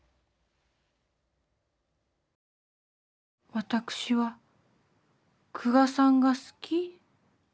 私は久我さんが好き？